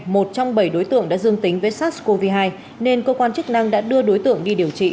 một trong bảy đối tượng đã dương tính với sars cov hai nên cơ quan chức năng đã đưa đối tượng đi điều trị